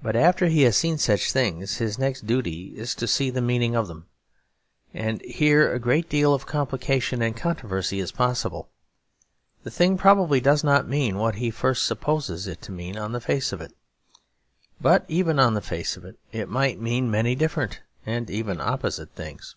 But after he has seen such things, his next duty is to see the meaning of them; and here a great deal of complication and controversy is possible. The thing probably does not mean what he first supposes it to mean on the face of it; but even on the face of it, it might mean many different and even opposite things.